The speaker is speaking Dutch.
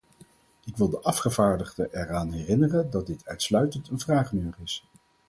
Ik wil de afgevaardigden eraan herinneren dat dit uitsluitend een vragenuur is.